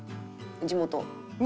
地元。